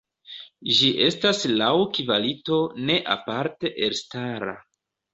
Ĝi estas laŭ kvalito ne aparte elstara.